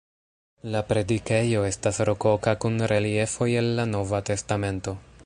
La predikejo estas rokoka kun reliefoj el la Nova Testamento.